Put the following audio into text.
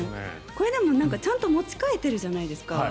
これ、でもちゃんと持ち替えているじゃないですか。